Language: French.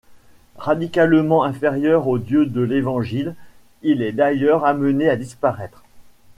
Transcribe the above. Radicalement inférieur au Dieu de l'Évangile, il est d'ailleurs amené à disparaître.